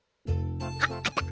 あっあった。